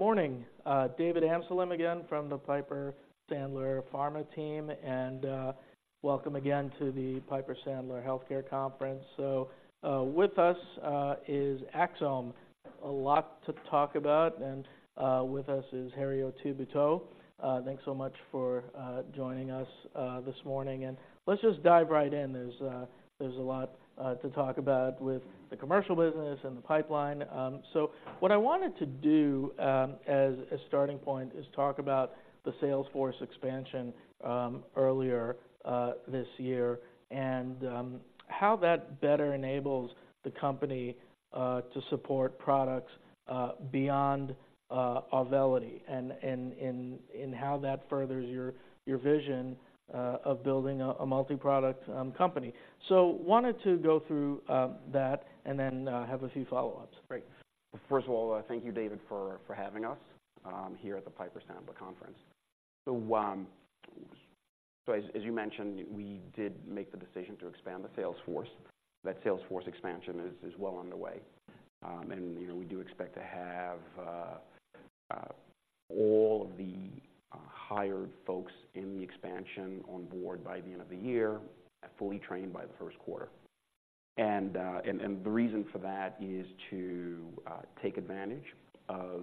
Good morning, David Amsellem again from the Piper Sandler Pharma team, and welcome again to the Piper Sandler Healthcare Conference. With us is Axsome. A lot to talk about, and with us is Herriot Tabuteau. Thanks so much for joining us this morning. Let's just dive right in. There's a lot to talk about with the commercial business and the pipeline. What I wanted to do, as a starting point, is talk about the sales force expansion earlier this year, and how that better enables the company to support products beyond Auvelity, and how that furthers your vision of building a multiproduct company. Wanted to go through that and then have a few follow-ups. Great. First of all, thank you, David, for having us here at the Piper Sandler conference. So, as you mentioned, we did make the decision to expand the sales force. That sales force expansion is well underway, and, you know, we do expect to have all of the hired folks in the expansion on board by the end of the year, and fully trained by the first quarter. The reason for that is to take advantage of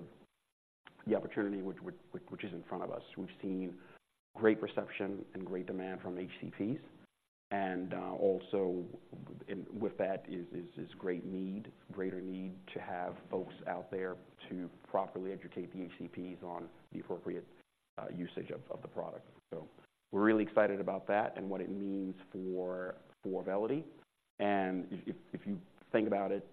the opportunity, which is in front of us. We've seen great reception and great demand from HCPs, and also, with that is greater need to have folks out there to properly educate the HCPs on the appropriate usage of the product. So we're really excited about that and what it means for Auvelity. And if you think about it,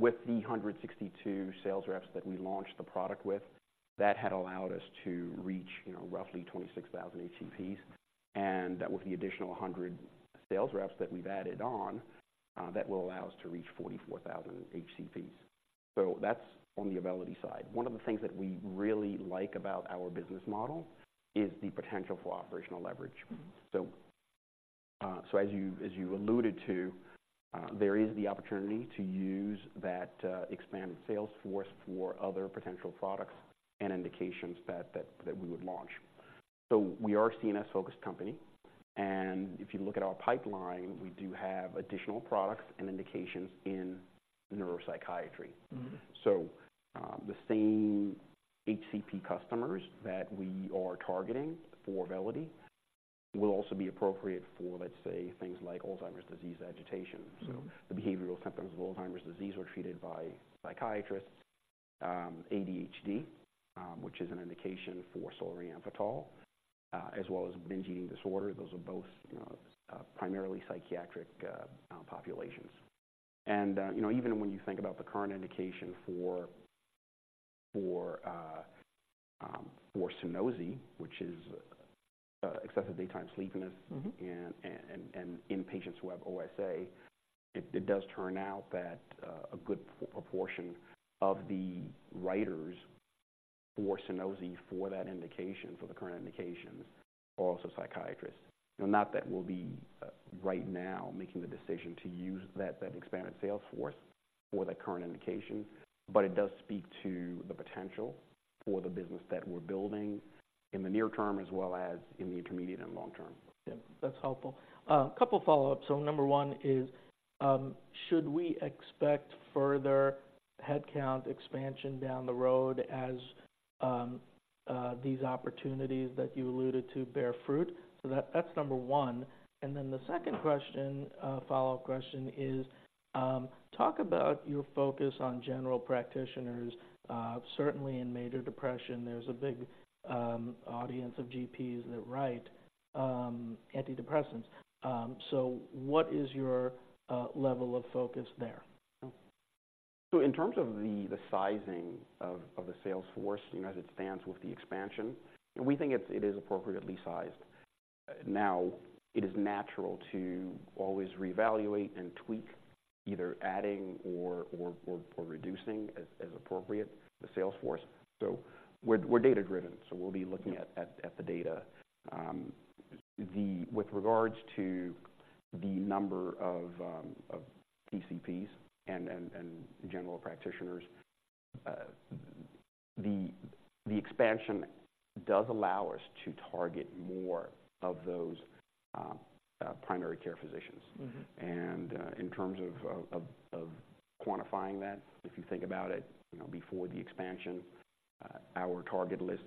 with the 162 sales reps that we launched the product with, that had allowed us to reach, you know, roughly 26,000 HCPs, and with the additional 100 sales reps that we've added on, that will allow us to reach 44,000 HCPs. So that's on the Auvelity side. One of the things that we really like about our business model is the potential for operational leverage. So, so as you, as you alluded to, there is the opportunity to use that expanded sales force for other potential products and indications that we would launch. So we are a CNS-focused company, and if you look at our pipeline, we do have additional products and indications in neuropsychiatry. Mm-hmm. So, the same HCP customers that we are targeting for Auvelity will also be appropriate for, let's say, things like Alzheimer's disease agitation. Mm-hmm. So the behavioral symptoms of Alzheimer's disease are treated by psychiatrists, ADHD, which is an indication for solriamfetol, as well as binge eating disorder. Those are both, you know, primarily psychiatric populations. And, you know, even when you think about the current indication for Sunosi, which is excessive daytime sleepiness- Mm-hmm. In patients who have OSA, it does turn out that a good proportion of the writers for Sunosi, for that indication, for the current indications, are also psychiatrists. Not that we'll be right now making the decision to use that expanded sales force for that current indication, but it does speak to the potential for the business that we're building in the near term, as well as in the intermediate and long term. Yeah, that's helpful. A couple follow-ups. So number one is, should we expect further headcount expansion down the road as these opportunities that you alluded to bear fruit? So that's number one. And then the second question, follow-up question is, talk about your focus on general practitioners. Certainly in major depression, there's a big audience of GPs that write antidepressants. So what is your level of focus there? So in terms of the sizing of the sales force, you know, as it stands with the expansion, we think it is appropriately sized. Now, it is natural to always reevaluate and tweak, either adding or reducing, as appropriate, the sales force. So we're data driven, so we'll be looking at the data. The with regards to the number of PCPs and general practitioners, the expansion does allow us to target more of those primary care physicians. Mm-hmm. In terms of quantifying that, if you think about it, you know, before the expansion, our target list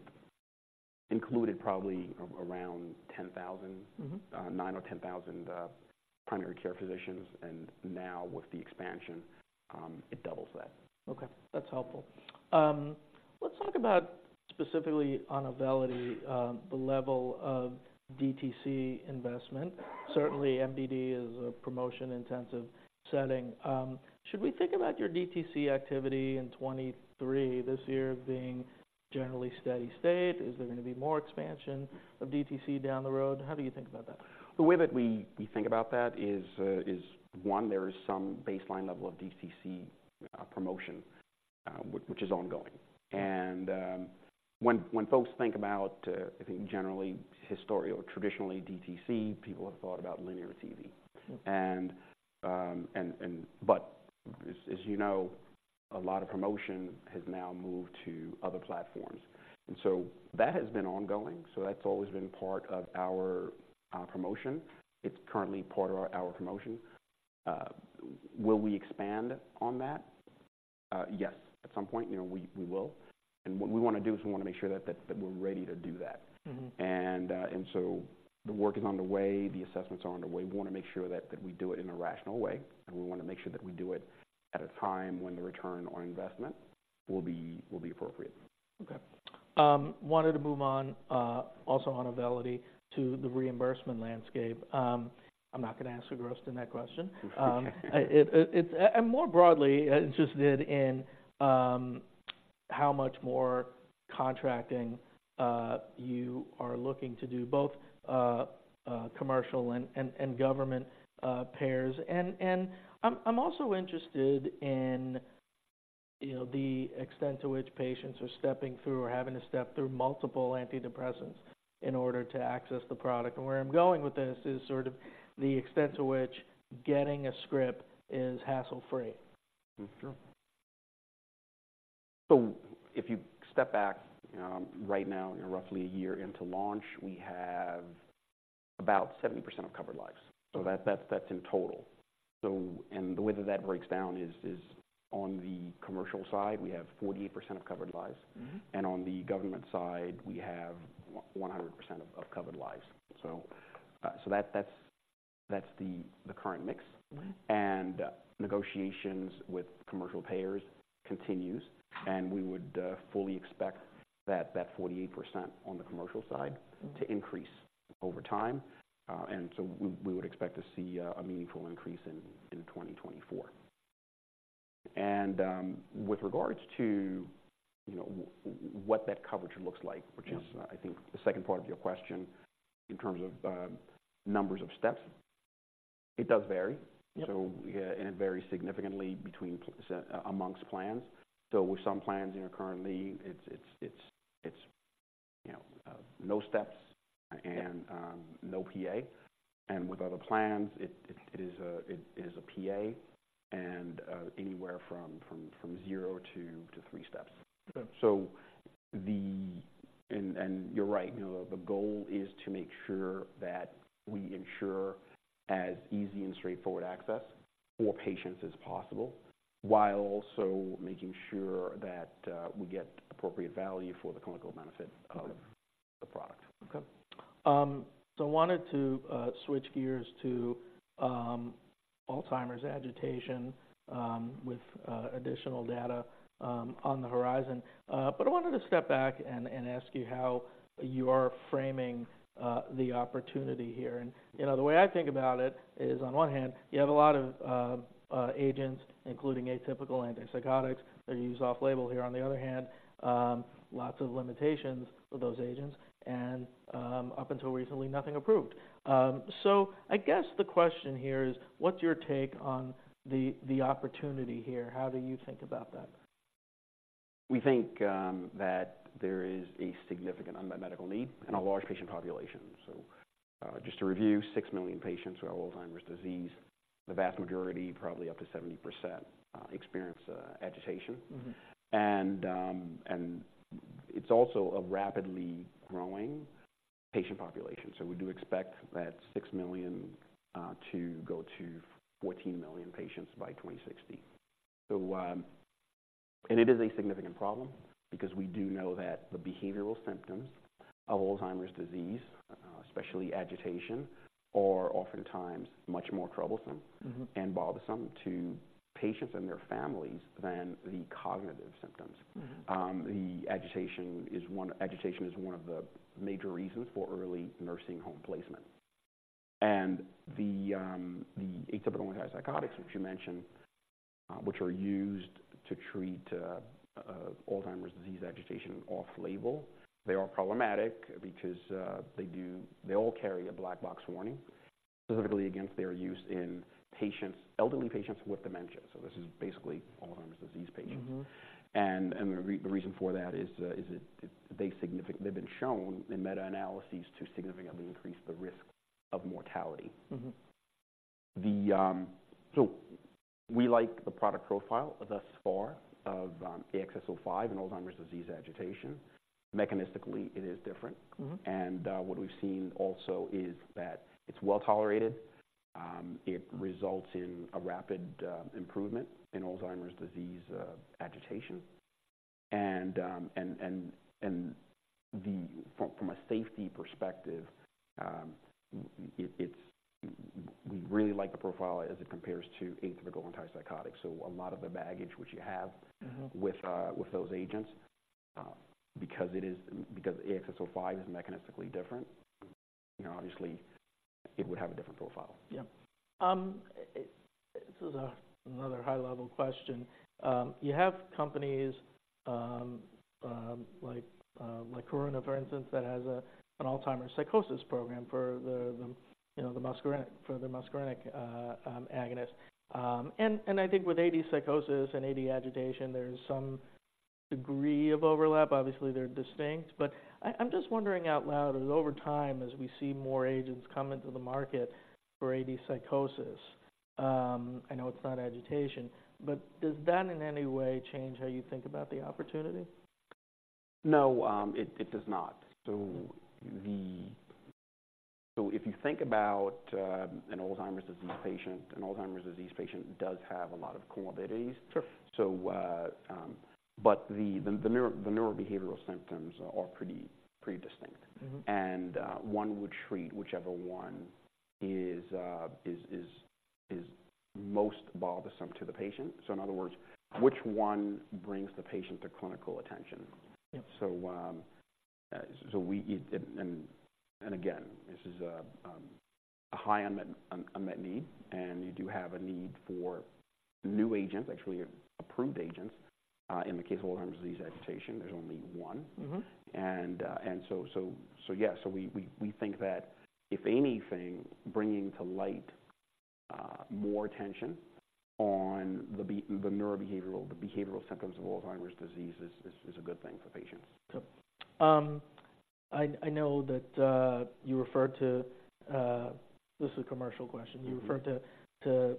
included probably around 10,000- Mm-hmm. Nine or 10,000 primary care physicians, and now with the expansion, it doubles that. Okay, that's helpful. Let's talk about specifically on Auvelity, the level of DTC investment. Certainly, MDD is a promotion-intensive setting. Should we think about your DTC activity in 2023, this year, being generally steady state? Is there going to be more expansion of DTC down the road? How do you think about that? The way that we think about that is one, there is some baseline level of DTC promotion which is ongoing. When folks think about, I think generally historical or traditionally DTC, people have thought about linear TV. Mm-hmm. But as you know, a lot of promotion has now moved to other platforms, and so that has been ongoing. So that's always been part of our promotion. It's currently part of our promotion. Will we expand on that? Yes, at some point, you know, we will. And what we want to do is we want to make sure that we're ready to do that. Mm-hmm. So the work is underway, the assessments are underway. We want to make sure that we do it in a rational way, and we want to make sure that we do it at a time when the return on investment will be appropriate. Okay. Wanted to move on, also on Auvelity to the reimbursement landscape. I'm not going to ask a gross to net question. And more broadly, interested in how much more contracting you are looking to do, both commercial and government payers. And I'm also interested in, you know, the extent to which patients are stepping through or having to step through multiple antidepressants in order to access the product. And where I'm going with this is sort of the extent to which getting a script is hassle-free. Mm-hmm. Sure. So if you step back, right now, you're roughly a year into launch. We have about 70% of covered lives. So that's in total. And the way that breaks down is on the commercial side. We have 48% of covered lives. Mm-hmm. On the government side, we have 100% of covered lives. So, that's the current mix. Mm-hmm. Negotiations with commercial payers continues, and we would fully expect that 48% on the commercial side- Mm-hmm - to increase over time. And so we, we would expect to see a, a meaningful increase in, in 2024. And, with regards to, you know, what that coverage looks like- Yeah - which is, I think, the second part of your question, in terms of numbers of steps, it does vary. Yep. It varies significantly among plans. With some plans, you know, currently, it's no steps and... Yeah No PA. And with other plans, it is a PA and anywhere from zero to three steps. Okay. And you're right, you know, the goal is to make sure that we ensure as easy and straightforward access for patients as possible, while also making sure that we get appropriate value for the clinical benefit- Okay - of the product. Okay. So I wanted to switch gears to Alzheimer's agitation with additional data on the horizon. But I wanted to step back and ask you how you are framing the opportunity here. And, you know, the way I think about it is, on one hand, you have a lot of agents, including atypical antipsychotics, that you use off-label here. On the other hand, lots of limitations for those agents and, up until recently, nothing approved. So I guess the question here is, what's your take on the opportunity here? How do you think about that? We think, that there is a significant unmet medical need- Mm-hmm - and a large patient population. So, just to review, 6 million patients who have Alzheimer's disease, the vast majority, probably up to 70%, experience agitation. Mm-hmm. It's also a rapidly growing patient population. We do expect that 6 million to go to 14 million patients by 2060. And it is a significant problem because we do know that the behavioral symptoms of Alzheimer's disease, especially agitation, are oftentimes much more troublesome... Mm-hmm and bothersome to patients and their families than the cognitive symptoms. Mm-hmm. The agitation is one of the major reasons for early nursing home placement. And the atypical antipsychotics, which you mentioned, which are used to treat Alzheimer's disease agitation off-label, they are problematic because they all carry a black box warning, specifically against their use in elderly patients with dementia. So this is basically Alzheimer's disease patients. Mm-hmm. The reason for that is that they've been shown in meta-analyses to significantly increase the risk of mortality. Mm-hmm. So we like the product profile, thus far, of AXS-05 in Alzheimer's disease agitation. Mechanistically, it is different. Mm-hmm. What we've seen also is that it's well-tolerated. It results in a rapid improvement in Alzheimer's disease agitation. From a safety perspective, we really like the profile as it compares to atypical antipsychotics. So a lot of the baggage which you have- Mm-hmm with those agents, because AXS-05 is mechanistically different, you know, obviously it would have a different profile. Yeah. It, this is another high-level question. You have companies, like, like Karuna, for instance, that has a an Alzheimer's psychosis program for the, the, you know, the muscarinic, for the muscarinic, agonist. And, and I think with AD psychosis and AD agitation, there's some degree of overlap. Obviously, they're distinct, but I, I'm just wondering out loud, as over time, as we see more agents come into the market for AD psychosis, I know it's not agitation, but does that in any way change how you think about the opportunity? No, it does not. So if you think about an Alzheimer's disease patient, an Alzheimer's disease patient does have a lot of comorbidities. Sure. But the neurobehavioral symptoms are pretty distinct. Mm-hmm. One would treat whichever one is most bothersome to the patient. So in other words, which one brings the patient to clinical attention? Yeah. So, again, this is a high unmet need, and you do have a need for new agents, actually approved agents. In the case of Alzheimer's disease agitation, there's only one. Mm-hmm. So yeah. We think that if anything, bringing to light more attention on the behavioral symptoms of Alzheimer's disease is a good thing for patients. I know that you referred to... This is a commercial question. Mm-hmm. You referred to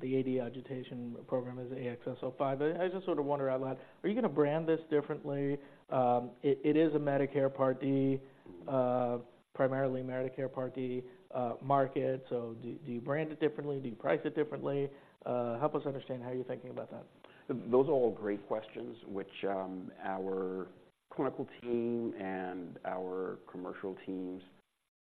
the AD agitation program as AXS-05. But I just sort of wonder out loud, are you gonna brand this differently? It is a Medicare Part D. Mm-hmm. primarily Medicare Part D market. So do you brand it differently? Do you price it differently? Help us understand how you're thinking about that. Those are all great questions, which, our clinical team and our commercial teams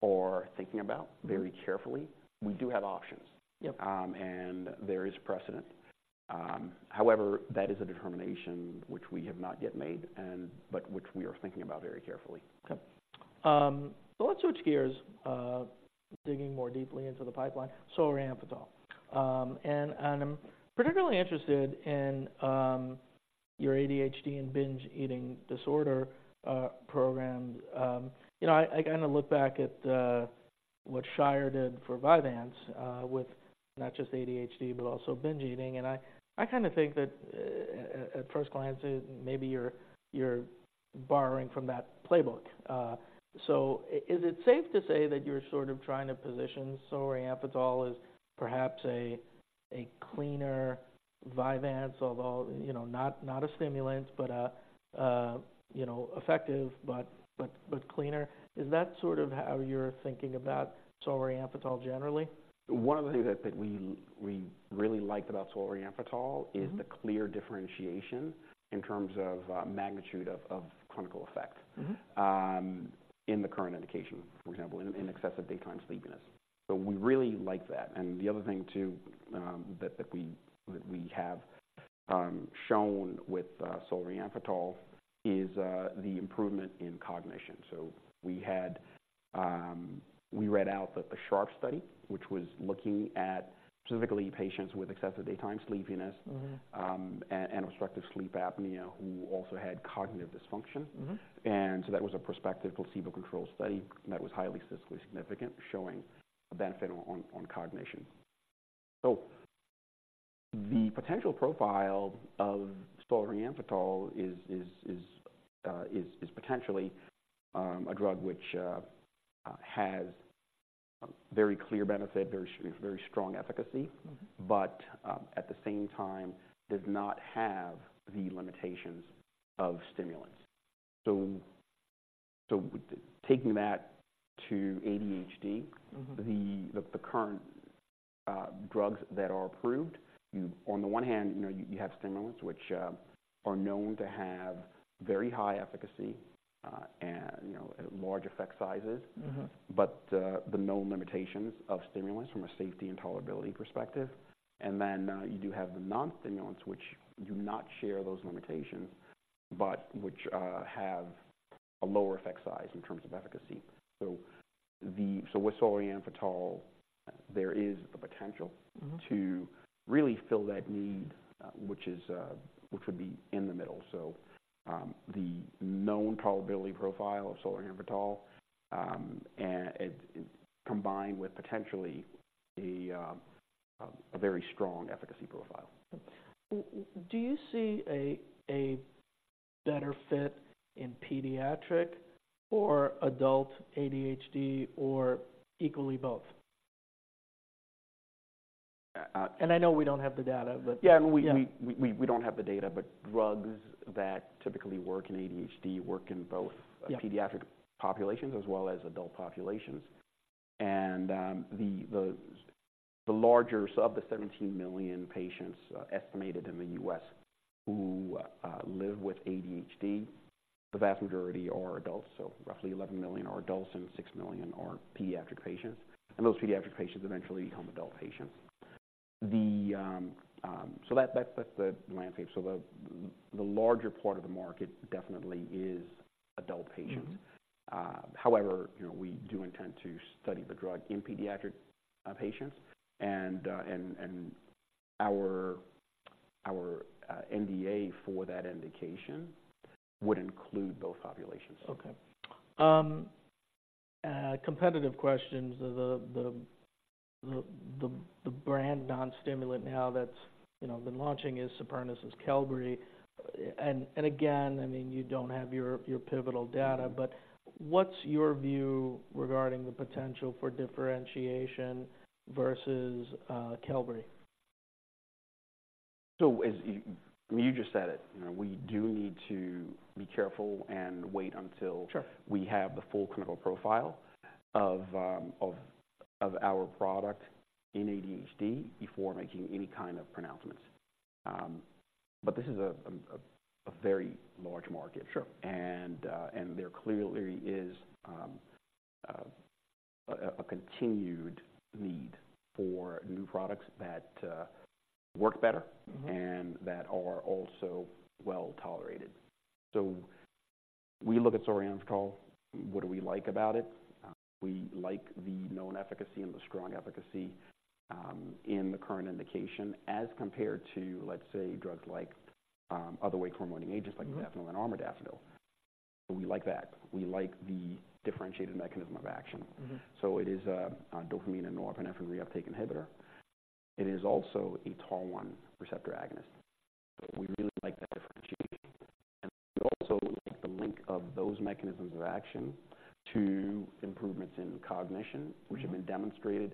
are thinking about very carefully. We do have options. Yep. And there is precedent. However, that is a determination which we have not yet made, but which we are thinking about very carefully. Okay. So let's switch gears, digging more deeply into the pipeline, solriamfetol. And I'm particularly interested in your ADHD and binge eating disorder program. You know, I kind of look back at what Shire did for Vyvanse with not just ADHD, but also binge eating. I kind of think that at first glance, maybe you're borrowing from that playbook. So is it safe to say that you're sort of trying to position solriamfetol as perhaps a cleaner Vyvanse, although, you know, not a stimulant, but a, you know, effective but cleaner? Is that sort of how you're thinking about solriamfetol generally? One of the things I think we really like about solriamfetol- Mm-hmm. -is the clear differentiation in terms of, magnitude of clinical effect- Mm-hmm In the current indication, for example, in excessive daytime sleepiness. So we really like that. And the other thing too, that we have shown with solriamfetol is the improvement in cognition. So we read out the SHARP study, which was looking at specifically patients with excessive daytime sleepiness- Mm-hmm... and obstructive sleep apnea, who also had cognitive dysfunction. Mm-hmm. And so that was a prospective placebo-controlled study that was highly statistically significant, showing a benefit on cognition. So the potential profile of solriamfetol is potentially a drug which has a very clear benefit, very, very strong efficacy- Mm-hmm -but, at the same time, does not have the limitations of stimulants. So taking that to ADHD- Mm-hmm The current drugs that are approved, on the one hand, you know, you have stimulants which are known to have very high efficacy, and you know, large effect sizes. Mm-hmm. But, the known limitations of stimulants from a safety and tolerability perspective. And then, you do have the non-stimulants, which do not share those limitations, but which, have a lower effect size in terms of efficacy. So with solriamfetol, there is the potential- Mm-hmm -to really fill that need, which is, which would be in the middle. So, the known tolerability profile of solriamfetol, and it combined with potentially a, a very strong efficacy profile. Do you see a better fit in pediatric or adult ADHD, or equally both? Uh, uh- I know we don't have the data, but- Yeah, and we- Yeah... we don't have the data, but drugs that typically work in ADHD work in both- Yeah pediatric populations as well as adult populations. The larger. So of the 17 million patients estimated in the U.S. who live with ADHD, the vast majority are adults. So roughly 11 million are adults, and 6 million are pediatric patients, and those pediatric patients eventually become adult patients. So that, that's the landscape. So the larger part of the market definitely is adult patients. Mm-hmm. However, you know, we do intend to study the drug in pediatric patients. And our NDA for that indication would include both populations. Okay. Competitive questions. The brand non-stimulant now that's, you know, been launching is Supernus' Qelbree. And again, I mean, you don't have your pivotal data, but what's your view regarding the potential for differentiation versus Qelbree? So as you—you just said it. You know, we do need to be careful and wait until- Sure. We have the full clinical profile of our product in ADHD before making any kind of pronouncements. But this is a very large market. Sure. There clearly is a continued need for new products that work better- Mm-hmm. -and that are also well-tolerated. So we look at solriamfetol, what do we like about it? We like the known efficacy and the strong efficacy, in the current indication as compared to, let's say, drugs like, other wake-promoting agents- Mm-hmm. like methylphenidate and armodafinil. We like that. We like the differentiated mechanism of action. Mm-hmm. So it is a dopamine and norepinephrine reuptake inhibitor. It is also a TAAR1 receptor agonist. So we really like that differentiation. And we also like the link of those mechanisms of action to improvements in cognition. Mm-hmm. -which have been demonstrated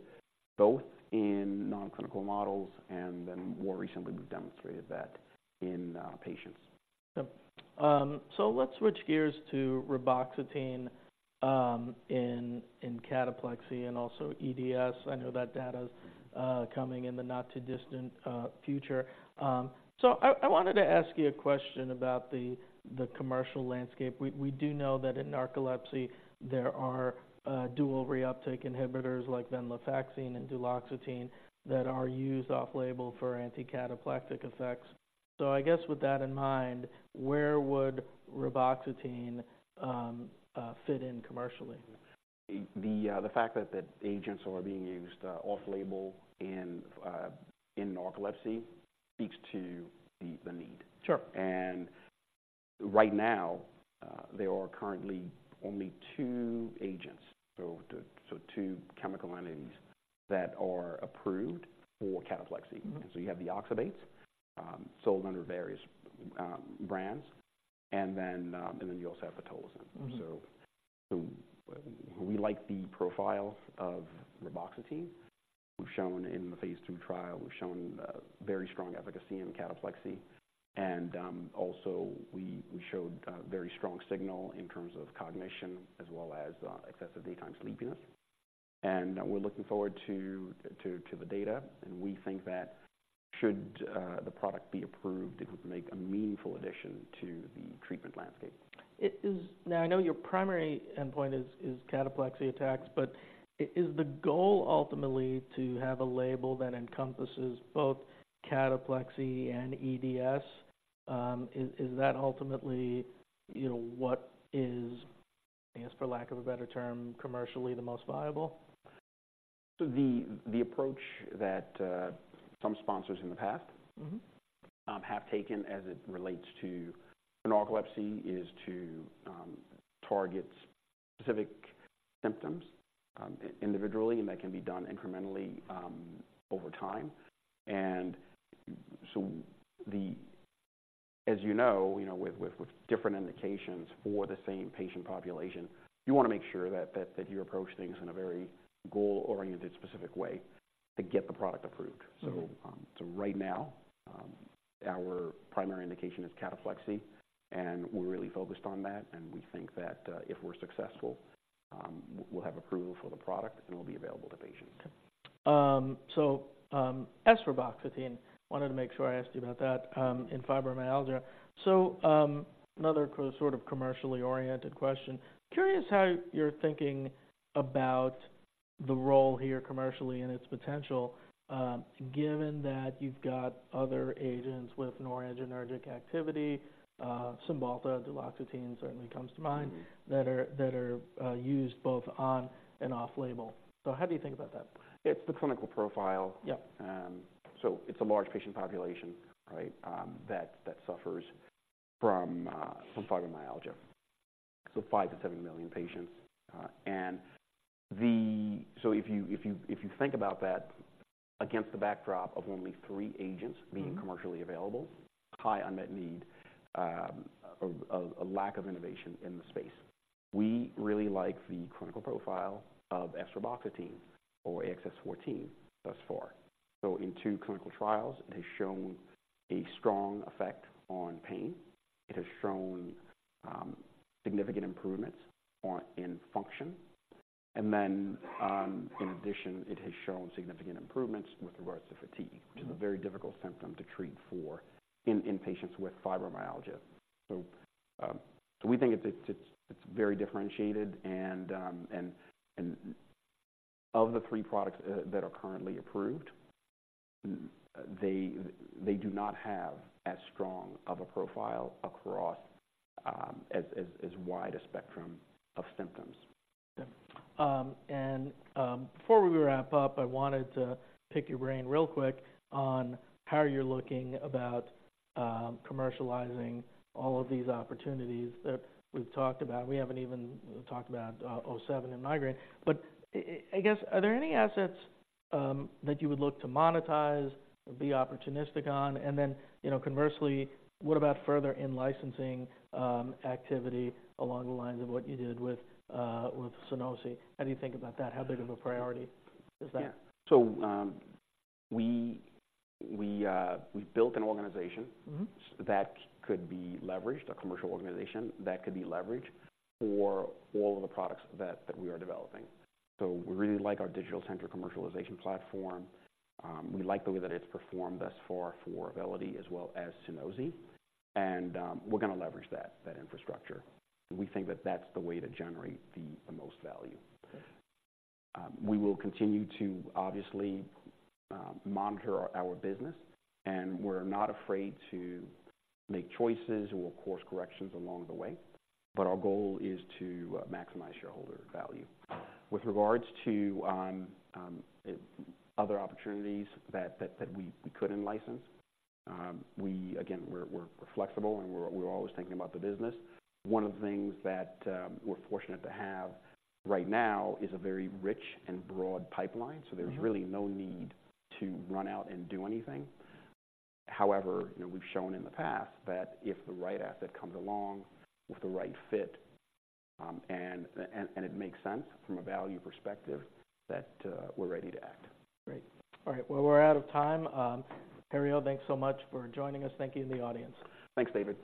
both in non-clinical models and then more recently, we've demonstrated that in patients. So let's switch gears to reboxetine, in cataplexy and also EDS. I know that data's coming in the not-too-distant future. So I wanted to ask you a question about the commercial landscape. We do know that in narcolepsy, there are dual reuptake inhibitors like venlafaxine and duloxetine that are used off-label for anti-cataplectic effects. So I guess with that in mind, where would reboxetine fit in commercially? The fact that the agents are being used in narcolepsy speaks to the need. Sure. Right now, there are currently only two agents, so two chemical entities, that are approved for cataplexy. Mm-hmm. So you have the oxybates, sold under various brands, and then you also have pitolisant. Mm-hmm. So we like the profile of reboxetine. We've shown in the Phase II trial, we've shown very strong efficacy in cataplexy. And also, we showed a very strong signal in terms of cognition as well as excessive daytime sleepiness. And we're looking forward to the data, and we think that should the product be approved, it would make a meaningful addition to the treatment landscape. Now, I know your primary endpoint is cataplexy attacks, but is the goal ultimately to have a label that encompasses both cataplexy and EDS? Is that ultimately, you know, what is, I guess, for lack of a better term, commercially the most viable? So the approach that some sponsors in the past- Mm-hmm have taken as it relates to narcolepsy is to target specific symptoms individually, and that can be done incrementally over time. And so, as you know, you know, with different indications for the same patient population, you want to make sure that you approach things in a very goal-oriented, specific way to get the product approved. Mm-hmm. So right now, our primary indication is cataplexy, and we're really focused on that, and we think that if we're successful, we'll have approval for the product, and it'll be available to patients. So, esreboxetine, wanted to make sure I asked you about that, in fibromyalgia. Another sort of commercially oriented question. Curious how you're thinking about the role here commercially and its potential, given that you've got other agents with noradrenergic activity, Cymbalta, duloxetine certainly comes to mind. Mm-hmm... that are used both on and off-label. So how do you think about that? It's the clinical profile. Yep. So it's a large patient population, right, that suffers from fibromyalgia. So 5-7 million patients, so if you think about that against the backdrop of only three agents- Mm-hmm -being commercially available, high unmet need, of a lack of innovation in the space. We really like the clinical profile of esreboxetine or AXS-14 thus far. So in two clinical trials, it has shown a strong effect on pain. It has shown significant improvements in function. And then, in addition, it has shown significant improvements with regards to fatigue- Mm-hmm -which is a very difficult symptom to treat for in patients with fibromyalgia. So, we think it's very differentiated and of the three products that are currently approved, they do not have as strong of a profile across as wide a spectrum of symptoms. Before we wrap up, I wanted to pick your brain real quick on how you're looking about commercializing all of these opportunities that we've talked about. We haven't even talked about AXS-07 and migraine, but I guess, are there any assets that you would look to monetize or be opportunistic on? And then, you know, conversely, what about further in-licensing activity along the lines of what you did with Sunosi? How do you think about that? How big of a priority is that? Yeah. So, we've built an organization- Mm-hmm... that could be leveraged, a commercial organization that could be leveraged for all of the products that we are developing. So we really like our digital-centric commercialization platform. We like the way that it's performed thus far for Auvelity as well as Sunosi, and we're gonna leverage that infrastructure. We think that that's the way to generate the most value. We will continue to obviously monitor our business, and we're not afraid to make choices or course corrections along the way, but our goal is to maximize shareholder value. With regards to other opportunities that we could in-license, we again, we're flexible, and we're always thinking about the business. One of the things that we're fortunate to have right now is a very rich and broad pipeline. Mm-hmm. There's really no need to run out and do anything. However, you know, we've shown in the past that if the right asset comes along with the right fit, and it makes sense from a value perspective, that we're ready to act. Great. All right, well, we're out of time. Ari, thanks so much for joining us. Thank you to the audience. Thanks, David.